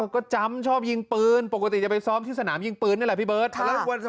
ก็จำชอบยิงปืนปกติจะไปซ้อมที่สนามยิงปืนนี่แหละพี่เบิร์ต